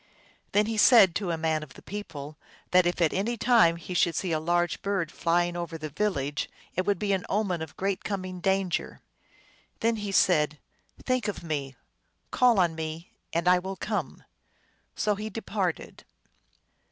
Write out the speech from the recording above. Then he said to a man of the people that if at any time he should see a large bird flying over the village it would be an omen of great coming danger. " Then," TALES OF MAGIC. 365 he said, " think of me ; call on me, and I will come." So he departed.